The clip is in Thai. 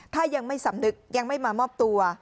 ถ้ายังไม่สำนึกยังไม่มามอบตัว